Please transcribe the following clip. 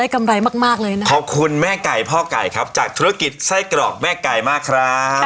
ขอบคุณแม่ไก่พ่อไก่ครับจากธุรกิจไส้กรอกแม่ไก่มาคะ